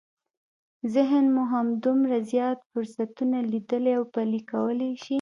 ذهن مو همدومره زیات فرصتونه ليدلی او پلي کولای شي.